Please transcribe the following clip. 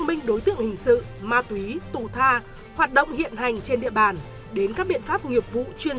minh đối tượng hình sự ma túy tù tha hoạt động hiện hành trên địa bàn đến các biện pháp nghiệp vụ chuyên